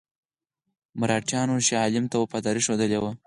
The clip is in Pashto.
مرهټیانو شاه عالم ته وفاداري ښودلې وه.